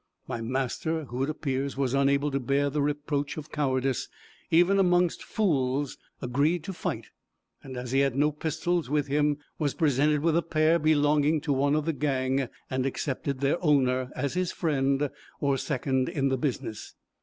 My master, who, it appears, was unable to bear the reproach of cowardice, even amongst fools, agreed to fight, and as he had no pistols with him, was presented with a pair belonging to one of the gang; and accepted their owner, as his friend, or second in the business.